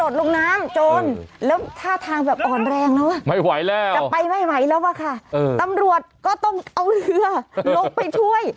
อ่อนแรงแล้วไม่ไหวแล้วแต่ไปไม่ไหมแล้วว่าค่ะเออตำรวจก็ต้องเอาเรือลงไปช่วย